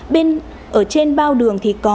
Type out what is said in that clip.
bên ở trên bao đường thì có